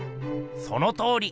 そのとおり！